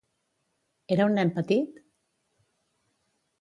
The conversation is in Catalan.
Era un nen petit?